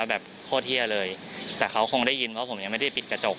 แบบโคตรเฮียเลยแต่เขาคงได้ยินเพราะผมยังไม่ได้ปิดกระจก